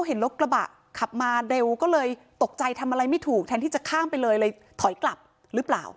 เห็นรถกระบะขับมาเร็วก็เลยตกใจทำอะไรไม่ถูกแทนที่จะข้ามไปเลยเลยถอยกลับหรือเปล่า